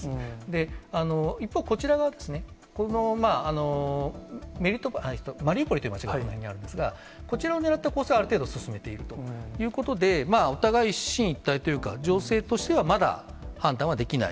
で、一方、こちら側ですね、このマリウポリって、こちら辺にあるんですが、こちらを狙った攻勢をある程度、進めているということで、お互い、一進一退というか、情勢としてはまだ判断はできない。